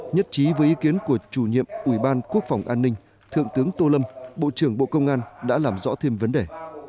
nhất trí với ý kiến của chủ nhiệm ủy ban quốc phòng an ninh thượng tướng tô lâm bộ trưởng bộ công an đã làm rõ thêm vấn đề